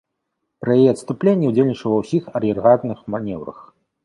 Пры яе адступленні удзельнічаў ва ўсіх ар'ергардных манеўрах.